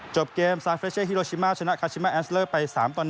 จบเกมซานเฟชเช่ฮิโรชิมาชนะคาชิมาแอสเลอร์ไป๓ต่อ๑